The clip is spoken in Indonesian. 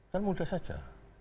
kan mudah saja